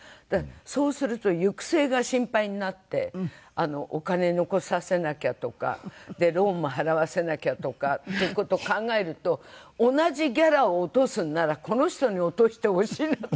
そうすると行く末が心配になってお金残させなきゃとかローンも払わせなきゃとかっていう事考えると同じギャラを落とすんならこの人に落としてほしいなと思うんですよ。